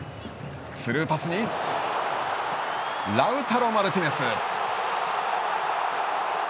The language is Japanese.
スルーパスにラウタロ・マルティネス。